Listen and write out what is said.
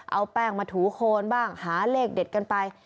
เอาแป้งมาถูโคนบ้างหาเลขเด็ดกันไป